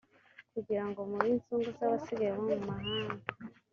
kugira ngo mube inzungu z’abasigaye bo mu mahanga